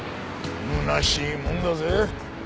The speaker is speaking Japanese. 空しいもんだぜ。